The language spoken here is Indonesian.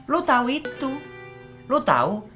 lo tau itu lo tau